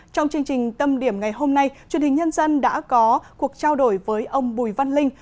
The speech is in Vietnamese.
trong chương trình tâm điểm ngày hôm nay truyền hình nhân dân đã có cuộc trao đổi với ông bùi văn linh